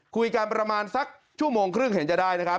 คุยกันประมาณสักชั่วโมงครึ่งเห็นจะได้นะครับ